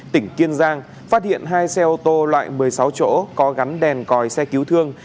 tỉnh kiên giang phát hiện hai xe ô tô loại một mươi sáu chỗ có gắn đèn còi xe cứu thương